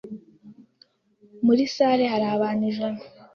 Muri salle hari abantu ijana.